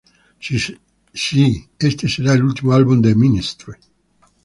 Sí, este será el último álbum de Ministry"".